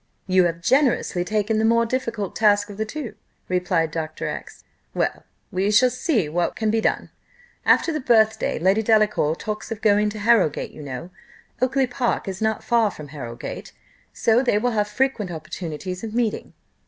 "You have generously taken the more difficult task of the two," replied Dr. X . "Well, we shall see what can be done. After the birthday, Lady Delacour talks of going to Harrowgate: you know, Oakly park is not far from Harrowgate, so they will have frequent opportunities of meeting.